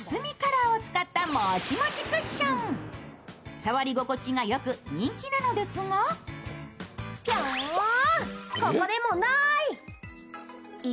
触り心地がよく人気なのですがええ？